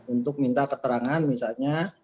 untuk minta keterangan misalnya